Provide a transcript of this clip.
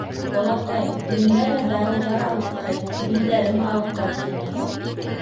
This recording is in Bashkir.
Олатай миңә лә дарыуҙар алып ҡайт, билдәрем ауырта тине.